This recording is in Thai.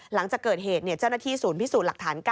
หลังจากเกิดเหตุเจ้าหน้าที่ศูนย์พิสูจน์หลักฐาน๙